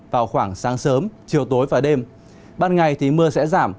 vào đêm ban ngày thì mưa sẽ giảm